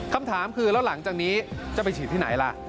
คำถามคือแล้วหลังจากนี้จะไปฉีดที่ไหนล่ะ